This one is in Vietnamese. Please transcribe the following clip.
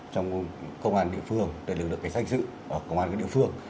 trong công an địa phương lực lượng sách dự và công an địa phương